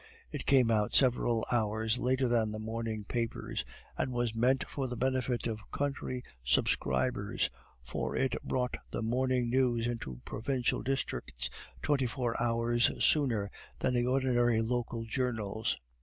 It came out several hours later than the morning papers, and was meant for the benefit of country subscribers; for it brought the morning news into provincial districts twenty four hours sooner than the ordinary local journals.